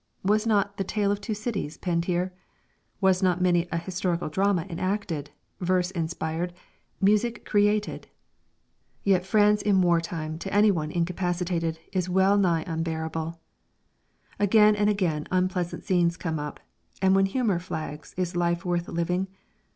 Was not the "Tale of Two Cities" penned here? Was not many an historical drama enacted, verse inspired, music created? [Illustration: HOSPITAL SHIPS IN THE HARBOUR] Yet France in war time to anyone incapacitated is wellnigh unbearable. Again and again unpleasant scenes come up (and when humour flags is life worth living?).